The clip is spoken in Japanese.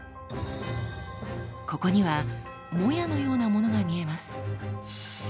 ここにはもやのようなものが見えます。